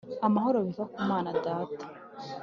amahoro biva ku Mana Data